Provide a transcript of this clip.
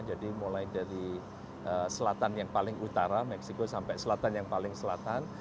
jadi mulai dari selatan yang paling utara mexico sampai selatan yang paling selatan